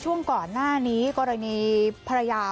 ช่วงก่อนหน้านี้กรณีภรรยา